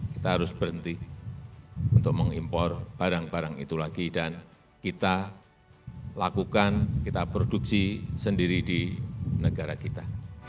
kita harus berhenti untuk mengimpor barang barang itu lagi dan kita lakukan kita produksi sendiri di negara kita